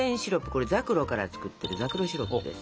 これザクロから作ってるザクロシロップです。